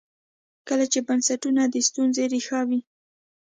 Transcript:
کله چې بنسټونه د ستونزې ریښه وي.